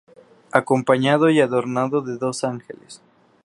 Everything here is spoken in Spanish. Acompañado y adornado de dos ángeles.